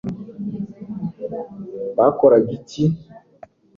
bakoraga iki